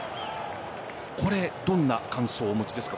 これ、どんな感想をお持ちですか。